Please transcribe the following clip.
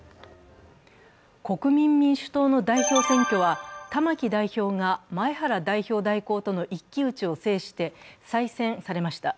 国民民主党の代表選挙は玉木代表が前原代表代行との一騎打ちを制して再選されました。